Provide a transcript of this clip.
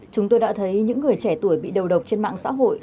chúng tôi đã thấy những người trẻ tuổi bị đầu độc trên mạng xã hội